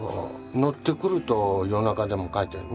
乗ってくると夜中でも描いてるね。